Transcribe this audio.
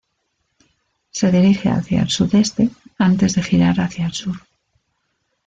Se dirige hacia el sudeste antes de girar hacia el sur.